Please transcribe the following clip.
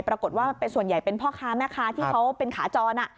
ปรากฏว่าส่วนใหญ่เป็นพ่อค้าแม่ค้าที่เขาเป็นขาจร